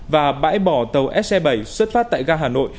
và bãi bỏ tàu se bảy xuất phát tại ga hà nội